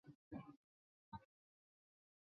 瓦尔泽亚阿莱格里是巴西塞阿拉州的一个市镇。